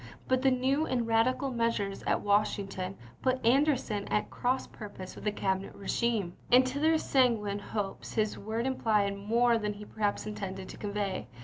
But the new and radical measures at Washington put Anderson at cross purpose with the Cabinet regime, and to their sanguine hopes his words implied more than he perhaps intended to convey.